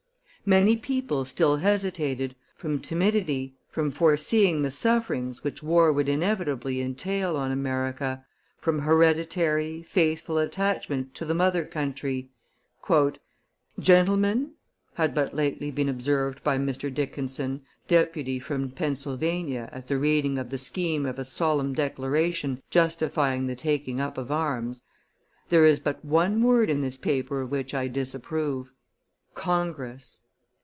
Many people still hesitated, from timidity, from foreseeing the sufferings which war would inevitably entail on America, from hereditary, faithful attachment to the mother country. "Gentlemen," had but lately been observed by Mr. Dickinson, deputy from Pennsylvania, at the reading of the scheme of a solemn declaration justifying the taking up of arms, "there is but one word in this paper of which I disapprove Congress."